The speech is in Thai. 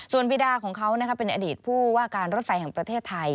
ส่วนบีดาของเขาเป็นอดีตผู้ว่าการรถไฟแห่งประเทศไทย